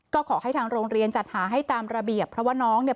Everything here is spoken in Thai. ก็ขอให้ทางโรงเรียนจัดหาให้ตามระเบียบเพราะว่าน้องเนี่ย